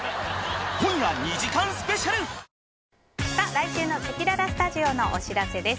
来週のせきららスタジオのお知らせです。